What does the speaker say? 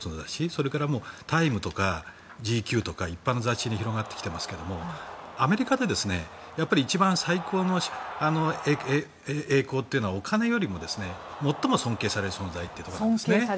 それから「タイム」誌とか一般の雑誌に広まってきてますがアメリカで一番最高の栄光というのはお金よりも最も尊敬される存在ということです。